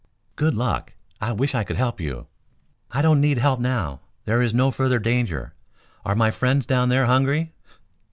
"Good luck! I wish I could help you." "I don't need help now. There is no further danger. Are my friends down there hungry?"